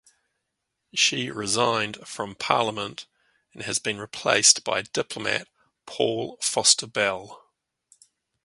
She resigned from Parliament and has been replaced by diplomat Paul Foster-Bell.